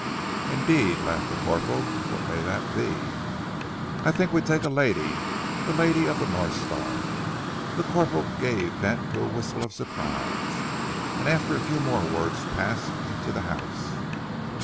"Indeed!" laughed the corporal. "What may that be?" "I tink we take a lady, de lady of North Star!" The corporal gave vent to a whistle of surprise, and after a few more words passed into the house.